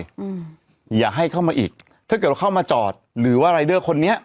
อืมอย่าให้เข้ามาอีกถ้าเกิดว่าเข้ามาจอดหรือว่ารายเดอร์คนนี้